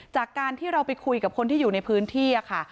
จากการที่เราไปคุยกับคนที่อยู่ในพื้นที่ค่ะ